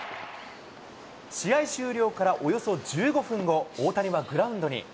試合終了からおよそ１５分後、大谷はグラウンドに。